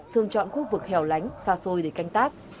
thường chọn khu vực hẻo lánh xa xôi để canh tác